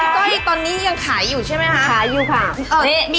เก้าเก้าตอนนี้ยังขายอยู่ใช่ไหมฮะขายอยู่ค่ะเออนี่